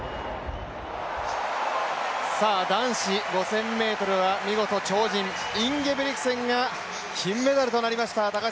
男子５０００ｍは見事超人、インゲブリクセンが金メダルとなりました。